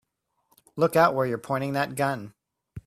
Look out where you're pointing that gun!